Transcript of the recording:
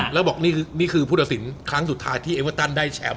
แล้วบอกนี่คือผู้ตัดสินครั้งสุดท้ายที่เอเวอร์ตันได้แชมป์